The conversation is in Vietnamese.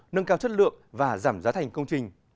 nâng cao chất lượng và giảm giá thành công trình